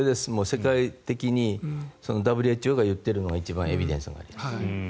世界的にＷＨＯが言っているのが一番エビデンスがあります。